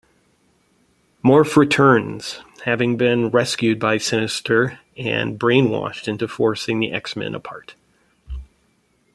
Morph returns, having been rescued by Sinister and brainwashed into forcing the X-Men apart.